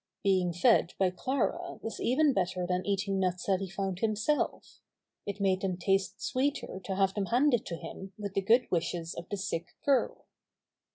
Being fed by Clara was even better than eat ing nuts that he found himself. It made them taste sweeter to have them handed to him with the good wishes of the sick girl.